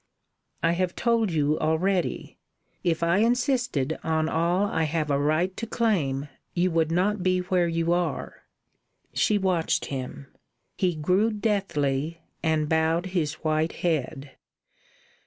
"I have told you already. If I insisted on all I have a right to claim, you would not be where you are." She watched him. He grew deathly and bowed his white head.